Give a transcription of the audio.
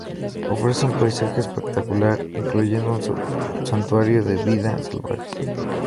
Ofrece un paisaje espectacular incluyendo un santuario de vida salvaje.